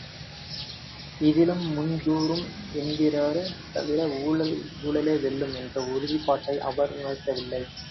இதிலும் முந்துறும் என்கிறாரே தவிர ஊழே வெல்லும் என்ற உறுதிப்பாட்டை அவர் உணர்த்தவில்லை.